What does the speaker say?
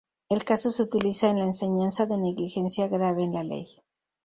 El caso se utiliza en la enseñanza de negligencia grave en la ley.